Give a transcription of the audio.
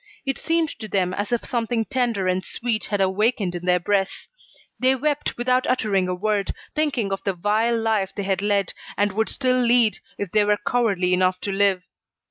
It seemed to them as if something tender and sweet had awakened in their breasts. They wept, without uttering a word, thinking of the vile life they had led, and would still lead, if they were cowardly enough to live.